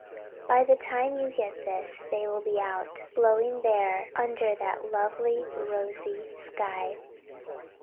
"By the time you get this they will be out, blowing there under that lovely rosy sky.